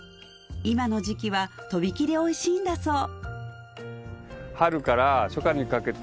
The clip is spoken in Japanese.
今の時期は飛び切りおいしいんだそう